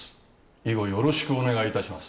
以後よろしくお願いいたします